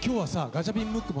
ガチャピン・ムック